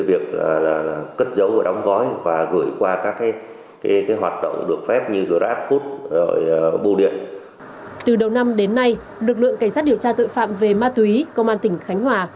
điều tra tội phạm về ma túy công an tỉnh khánh hòa